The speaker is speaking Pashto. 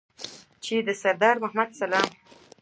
چې د سردار محمد اسلام